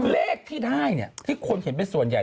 เลขที่ได้เนี่ยที่คนเห็นเป็นส่วนใหญ่